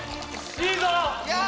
いいぞ！